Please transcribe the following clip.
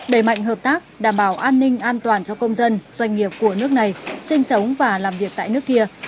đẩy mạnh hợp tác đảm bảo an ninh an toàn cho công dân doanh nghiệp của nước này sinh sống và làm việc tại nước kia